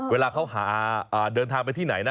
เวลาเขาหาเดินทางไปที่ไหนนะ